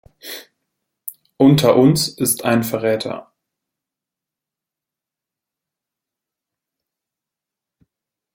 Unter uns ist ein Verräter.